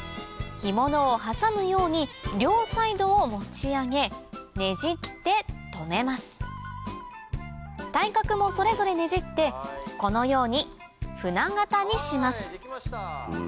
干物を挟むように両サイドを持ち上げねじってとめます対角もそれぞれねじってこのように舟形にします